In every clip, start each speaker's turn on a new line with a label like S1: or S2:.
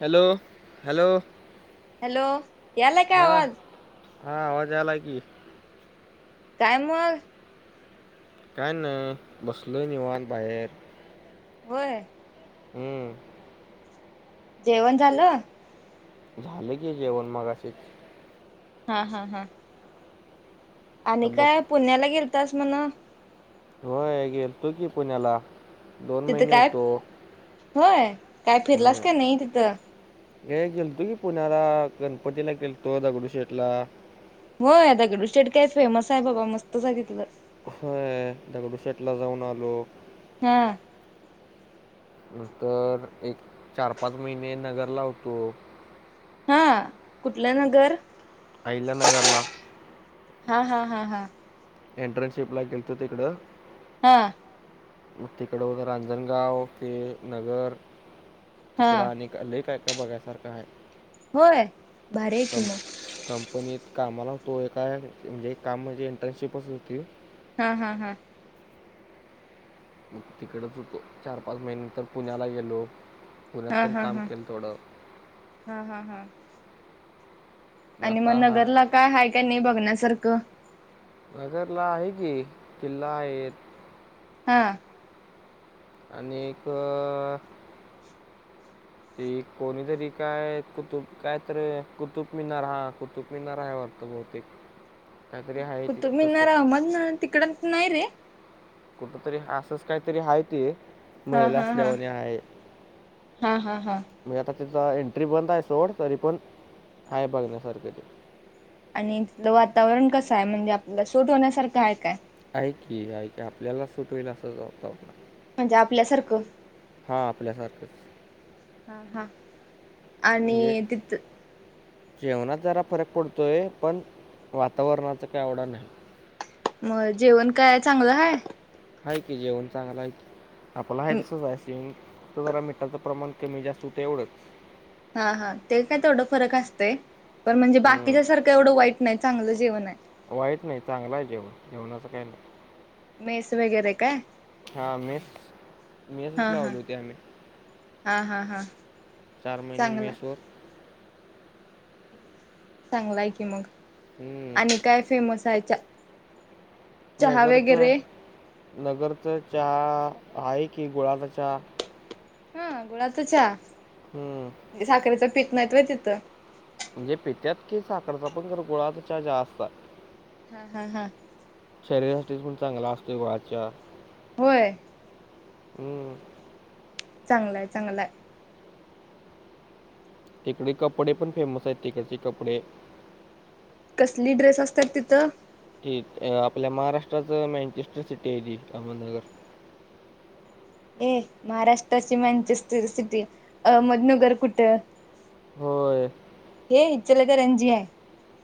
S1: Hello hello
S2: hello, यायला का
S1: हा
S2: आवाज?
S1: हा आवाज आला की
S2: काय मग?
S1: का नाही बसलोय निवांत बाहेर.
S2: होय.
S1: हम्म.
S2: जेवणं झालं.
S1: झालं की जेवण मगाशी.
S2: हा हा हा.
S1: तर
S2: आणि
S1: बस
S2: काय पुण्याला गेलतास म्हण.
S1: होय गेलतू की पुण्याला दोन
S2: तिथं
S1: महिने
S2: काय
S1: हुतो.
S2: होय काय फिरलास का नई तिथं?
S1: हे गेलतो की पुण्याला गणपतीला गेलतो दगडू शेठला.
S2: होय दगडूशेट काय फेमस हाय बाबा मस्तच हाय तिथलं.
S1: होय दगडूशेटला जाऊन आलो.
S2: हा.
S1: नंतर एक चार पाच महिने नगर हूतो.
S2: हा कुठलं नगर?
S1: अहिल्यानगरला.
S2: हा हा हा हा.
S1: एट्रनसशिपला गेलते तीकड.
S2: हा.
S1: मग तिकड वगैरे रांजणगाव ते नगर
S2: हा
S1: तिकड अनेक क लय काय काय बघायसारखं हाय.
S2: होय भारी हाय कि म
S1: कंपनीत कामाला होतो एका ये म्हणजे काम म्हणजे इंटर्नशिपच होती.
S2: हा हा हा.
S1: मग तिकडच हुतो चार पाच महिन तर पुण्याला गेलो. पुण्यात
S2: हा
S1: पण
S2: हा
S1: काम
S2: हा
S1: केलं थोडं
S2: हा हा हा. आणि मग
S1: आता हा
S2: नगरला काय हाय का नाय बघण्यासारखं?
S1: नगरला आहे की किल्ला आहे.
S2: हा.
S1: आणि एक अ त कोणीतरी काय कुतुब काय तर कुतुबमिनार हा कुतुबमिनार आहे व बहुतेक. काहीतरी आहे ते तसं
S2: कुतुबमीनार अहमद तिकड नाय रे.
S1: कुठ तरी असाच काहीतरी हाय ते.
S2: हा
S1: महिला
S2: हा
S1: असल्या
S2: हा
S1: वाणी हाय.
S2: हा हा हा
S1: म्हणजे आता तिथं एंट्री बंद हाय सोड तरी पण हाय बघण्यासारखं ते.
S2: आणि तिथलं वातावरण कसंय म्हणजे आपल्याला सोट होण्यासारखं हाय काय?
S1: हाय की हाय आपल्याला सुट होईल असंच वातं
S2: म्हणजे आपल्यासारखं.
S1: हा आपल्यासारखंच.
S2: हा हा
S1: म्हणजे
S2: आणि तिथ
S1: जेवणात जरा फरक पडतोय पण वातावरणाचं काय एवढा नाय.
S2: मग जेवण काय चांगलं हाय?
S1: हाय की जेवण चांगलंय की आपला हाय तसंच हाय सेम फक्त जरा मिठाचं प्रमाण कमी जास्त होतंय एवढच.
S2: हा हा ते काय तेवढं फरक असतंय, पण म्हणजे
S1: हम्म.
S2: बाकीच्या सारखं एवढं वाईट नाही. चांगलं जेवण आहे.
S1: वाईट नाही. चांगला आहे जेवण जेवणाचं काही नाही.
S2: मेस वगैरे काय
S1: [inaudible] हा मेस मेसच
S2: हा हा
S1: लावली होती आम्ही.
S2: हा, हा, हा.
S1: चार महिने
S2: चांगला
S1: मेस वर.
S2: चांगलाय की मग
S1: हम्म.
S2: आणि काय फेमस हाय. चा
S1: नगरच नगरचा चहा आहे की, गुळाचा चहा.
S2: हा गुळाचा
S1: हम्म.
S2: चहा साखरेचं पीत नाही व्हय तिथं.
S1: म्हणजे पित्यात की साखरचा पण, जरा गुळाचा चहा जास्त आहे.
S2: हा, हा, हा.
S1: शरीरासाठी पण चांगला असतो गुळाचा चहा.
S2: होय.
S1: हम्म.
S2: चांगला आहे, चांगला आहे.
S1: तिकडे कपडे पण फेमस आहेत. तिकडचे कपडे.
S2: कसली ड्रेस असतात तिथं.
S1: ते आपल्या महाराष्ट्राच मँचेस्टर सिटी आहे ती, अहमदनगर.
S2: ये महाराष्ट्राची मॅचेस्टर सिटी अहमदनगर कुठं?
S1: होय.
S2: ये इचलकरंजी आहे.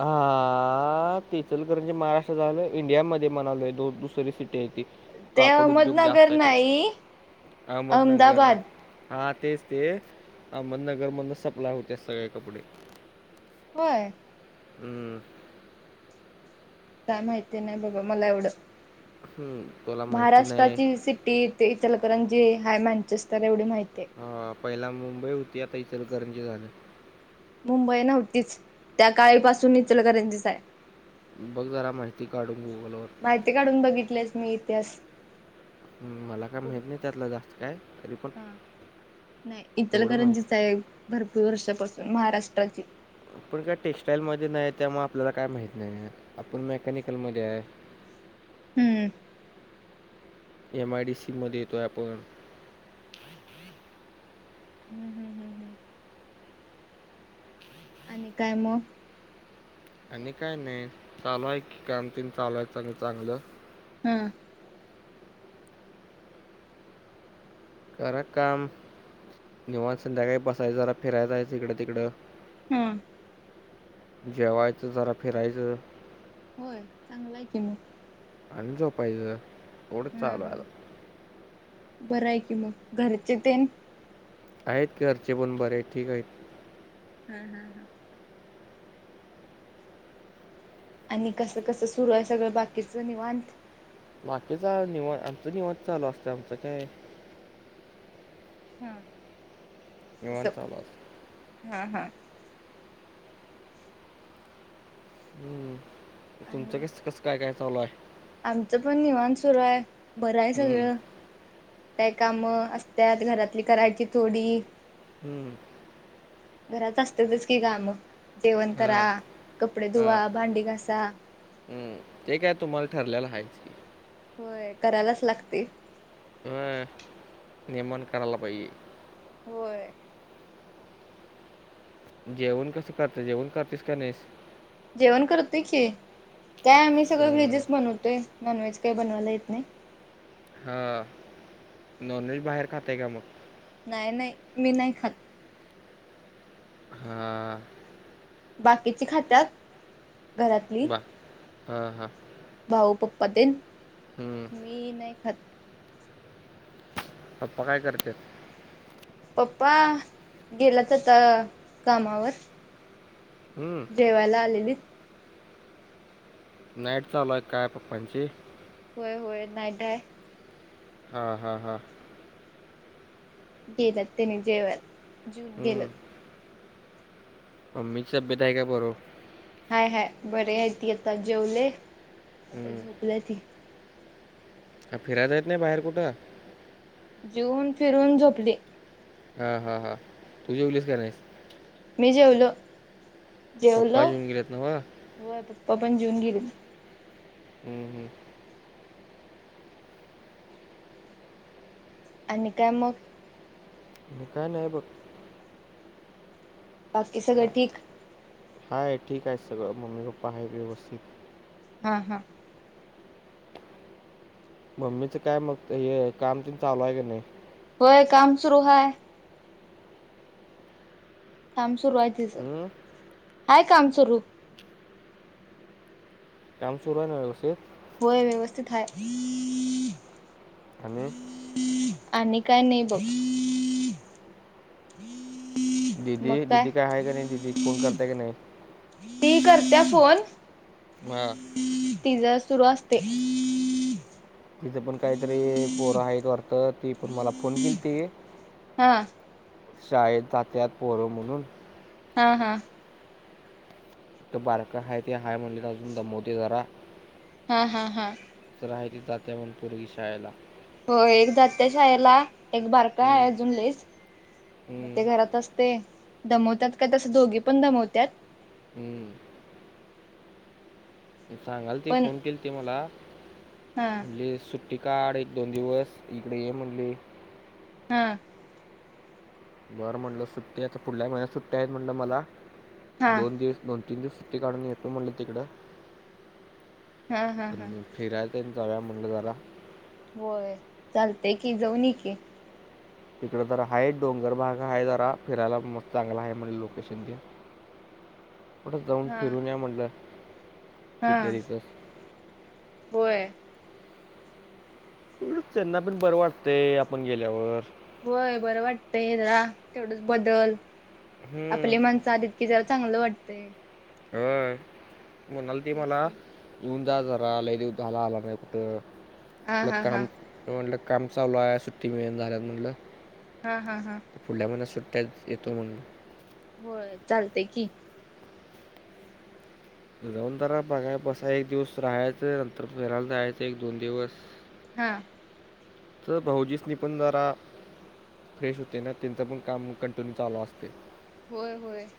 S1: हा... इचलकरंजी महाराष्ट्र आलं इंडिया मध्ये म्हणालोय, दोन दुसरी सिटी आहे ती.
S2: ते
S1: कापड उद्योग
S2: अहमदनगर
S1: जास्त आहे,
S2: नाही
S1: अहमदनगर
S2: अहमदाबाद
S1: नाही. हा तेच ते अहमदनगरमध सप्लाय होते, सगळे कपडे.
S2: होय.
S1: हमं.
S2: काय माहिती नाही. बाबा मला एवढं.
S1: हम तुला. माहिती नाही
S2: महाराष्ट्राची सिटी ते इचलकरंजी हाय मॅचेस्टर एवढी माहतीय आहे.
S1: ह पहिला मुंबई होती, आता इचलकरंजी झालं.
S2: मुंबई नव्हतीच त्या काळीपासून इचलकरंजीच हाय.
S1: बघ जरा माहिती काढून गुगलवर.
S2: माहिती काढून बघितलेस मी इतिहास.
S1: मला काय
S2: खूप
S1: माहिती नाही, त्यातल जास्त काय तरी पण.
S2: हा नाही
S1: तेवढं
S2: इतलकरंजी
S1: माहीत
S2: आहे. भरपूर वर्षापासून महाराष्ट्राची.
S1: आपण काय टेक्स्टाइल मध्ये नाही, त्यामुळे आपल्याला काय माहित नाही. आपण मेकॅनिकलमध्ये आहे.
S2: [inaudible] हम्म.
S1: एम आय डी सी मध्ये येतोय आपण.
S2: हम्म, हम्, हम्, हम्. आणि काय मग.
S1: आणि काय नाही. चालू हाय की काम ते न चालवाय चांगलं.
S2: हम.
S1: करा काम निवांत संध्याकाळी बसायचं जरा, फिराया जायचं जरा इकडं तिकडं.
S2: हम्म.
S1: जेवायचं जरा फिरायचं.
S2: होय चांगला आहे की मग.
S1: आणि झोपायचं एवढं
S2: हा
S1: चालू
S2: हा
S1: आहे आता.
S2: बरंय की मग घरचे ते
S1: आहेत की घरचे पण बरे आहेत ठीक आहेत.
S2: हा हा हा आणि कसं कसं सुरू आहे सगळं बाकीचं निवांत
S1: बाकीच निवांत आमचे निवांत चालू असते आमचं काय
S2: हम्म
S1: निवांत चालू असते.
S2: हा हा
S1: हम्म, तुमचं
S2: आणि
S1: कस कसं काय काय चालू आहे.
S2: आमचं पण निवांत सुरू आहे बरं आहे
S1: हम्म.
S2: सगळं काय काम असत्यात घरातली करायची थोडी
S1: हम्म
S2: घरात असतेच की काम जेवण करा,
S1: हा,
S2: कपडे धुवा, भांडी घासा
S1: हम्, ते काय तुम्हाला ठरलेलं आहेच
S2: होय, करायलाच लागते
S1: हम, लेमन करायला पाहिजे
S2: होय
S1: जेवण कसं करते जेवण करतेस का नाहीस?
S2: जेवण करतेय की का आम्ही सगळं
S1: हम्म.
S2: व्हेजच बनवतोय नॉन व्हेज काही बनवायला येत नाही.
S1: हा नॉनव्हेज बाहेर खाते का मग?
S2: नाही नाही मी नाही खात
S1: हा
S2: बाकीचे खातात
S1: वा हां हां
S2: भाऊ पप्पा तेन मी नाही खात
S1: पप्पा काय करते
S2: पप्पा गेला आता कामावर
S1: हम्म
S2: जेवायला आलेली
S1: नाईट चालुय काय पप्पाची
S2: होय होय नाईटय
S1: हा हा हा
S2: केलं त्यांनी जेवण जेऊन गेलं
S1: मम्मी तब्येत आहे का बरों
S2: हाय हाय बरे आहे ती आता जेवले आता
S1: हम्म.
S2: झोपलं ती
S1: फिरायला जात नाही बाहेर कुठं
S2: जेऊन फिरून झोपली.
S1: हा हा हा, तुझ्या जेवलीस का नाही?
S2: मी जेवलो जेवलो
S1: पप्पा जेवून गेलेत नव्ह?
S2: होय पप्पा पण जेऊन गेले
S1: हम्म हम्म
S2: आणि काय मग
S1: काय नाही बघ
S2: बाकी सगळं ठीक
S1: हाय ठीक आहे सगळं मम्मी पप्पा आहे व्यवस्थित
S2: हा हा
S1: मम्मीच काय मग, हे काम ते चालू आहे का नाही?
S2: होय काम सुरू हाय. काम सुरू आहे तिचं,,
S1: हं?
S2: हाय काम सुरू.
S1: कामसुरु आहे ना व्यवस्थित
S2: होय व्यवस्थित हाय.
S1: आणि
S2: आणि काय नाही बघ.
S1: दिदी, दिदी काय आहे का नाही,, दिदी फोण करत्या का नाही.
S2: ती करत्या फोन
S1: हा
S2: तिजं सुरू असतय.
S1: तिथं पण काहीतरी पोरं आहेत वाटतं, ती पण मला फोन किलती
S2: हा
S1: शाळेत जात्यात पोरं म्हणून
S2: हा हा
S1: तो बारकं हाय ते हाय म्हणलीत दमवतय जरा
S2: हा हा हा
S1: राह ते जात्या म्हणं पुरगी शाळेला
S2: हो एक जात्याशाळेला, एक बारका
S1: हं,
S2: हाय अजून लयच.
S1: हं,
S2: ते घरात असतय,, दमवत्यात काय तस दोघी पण दमवत्यात
S1: हम्म सांगालती
S2: पण
S1: फोन केलती मला,
S2: हा
S1: म्हणली सुट टी काड एक दोन दिवस, इकडं ये म्हणली
S2: हां
S1: बरं म्हणलं सुट्टी, आता पुुढल्या महिन्यात सुट्ट्या आहेत म्हणलं मला,
S2: हा
S1: दोन दिवस दोन तिन दिवस सुट्टी काढून येतो म्हणलं तिकडं.
S2: हा हा हा
S1: फिराय ते जाऊया म्हणलं जरा.
S2: होय चालतय की जाऊन येकी.
S1: इकड जरा हाय, डोंगर भाग आहे जरा, फिरायला मस्त चांगला आहे म्हणली लोकेशन ते
S2: [inaudible]
S1: कुढंच जाऊन
S2: हा
S1: फिरून या म्हटलं,,
S2: हा
S1: तिथल्या तिथं.
S2: होय.
S1: एवढच त्यांना पण बरं वाटतंय आपण गेल्यावर.
S2: होय बरं वाटतय जरा, तेवढच बदल,
S1: हम्म,
S2: आपली माणसं आलीत कि जरा चांगलं वाटतंय.
S1: होय, म्हणालती
S2: तेच
S1: मला
S2: की.
S1: येऊन जा जरा, लई दिवस झाला आला नाही कुटं,,,
S2: हा
S1: म्हणलं
S2: हा
S1: काम
S2: हा
S1: मी म्हनल काम चालु आहे, जरा सुट्टी मिळना झाल्या म्हटलं.
S2: हा हा हा
S1: पुढल्या महिन्यात सुट्ट्यात,, येतो म्हण
S2: होय चालते की.
S1: जाऊन जरा बघाय बसा एक दिवस राहायचं,, नंतर फिरायला जायचं एक दोन दिवस
S2: हा
S1: तर भाउजीसनी पण जरा फ्रेश होते ना त्यांच पण काम कंटिन्यू चालू असतय.
S2: होय होय,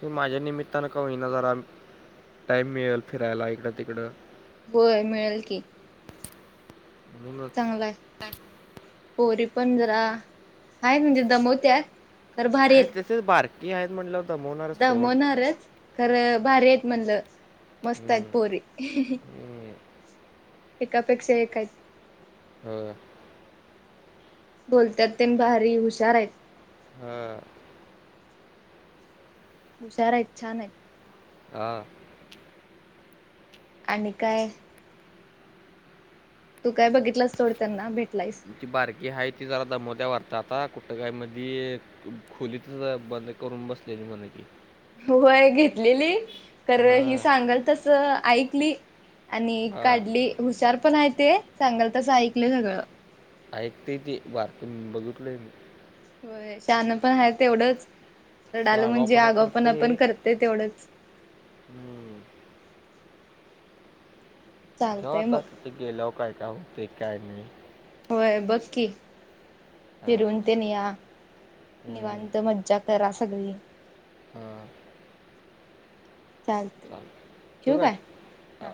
S1: तू माझ्या निमित्तानं का होईना जरा टाईम मिळेल फिरायला इकडं तिकडं!
S2: होय मिळेल की,
S1: म्हणूनच
S2: चांगल हाय पोरी पण जरा आहे म्हणजे दमवत्यात! खरं
S1: आहित तसेच बारकी आहेत म्हणल्यावर,
S2: दमणारच खर भारी आहेत म्हणलं मस्त आहेत
S1: हम्म.
S2: पोरी.
S1: हम्म.
S2: एकापेक्षा एक आहेत!
S1: हम्म,
S2: बोलतात तेन भारी हुशार आहेत,
S1: हम्म,
S2: हुशार आहेत छान आहे.
S1: हा,
S2: आणि काय, तू काय बघितलास सोड त्यांना भेटलिस,
S1: ती बारकी आहे ती जरा दमवत्या वाढत आता कुट काय मध्ये, खोलीतच बंद करून बसलेली म्हण ही,
S2: होय घेतलेली तर हि
S1: हां
S2: सांगाल तस ऐकली! आणि
S1: हां
S2: काढली हुशार पण आहे ते सांगाल तस ऐकलं सगळं,
S1: ऐकते ते बातमी बघितलय मी,
S2: व्हय शहान पण आहे तेवढंच रडाल
S1: तसं
S2: आलं म्हणजे
S1: आगावपणा
S2: आगा पण
S1: करते
S2: पण करते तेवढंच,
S1: हम्म. ठेवा
S2: चालतय
S1: आता
S2: मग
S1: ते गेल्याव काय काय होतय काय नाही.
S2: होय बघ कि
S1: हां
S2: फिरून तेन या
S1: हम्म.
S2: निवांत मज्जा. करा सगळी,
S1: हां,
S2: चालते
S1: चालेल
S2: ठेवू
S1: ठीक
S2: काय,
S1: आहे
S2: हा